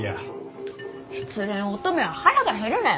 失恋乙女は腹が減るねん。